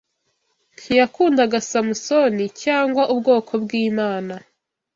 ntiyakundaga Samusoni cyangwa ubwoko bw’Imana